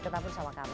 tetap bersama kami